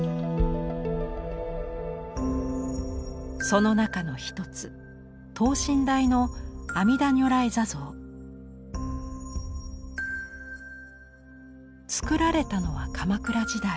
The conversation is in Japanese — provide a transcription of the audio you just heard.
その中の一つ等身大のつくられたのは鎌倉時代。